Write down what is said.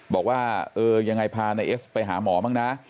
บอกว่าเออยังไงพานายเอสไปหาหมอบ้างนะ